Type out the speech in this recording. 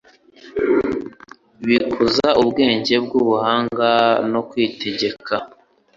bikuza ubwenge bw'ubuhanga no kwitegeka